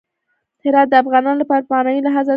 هرات د افغانانو لپاره په معنوي لحاظ ارزښت لري.